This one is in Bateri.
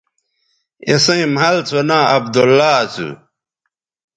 اِسئیں مَھل سو ناں عبداللہ اسو